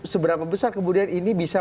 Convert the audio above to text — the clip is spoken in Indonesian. seberapa besar kemudian ini bisa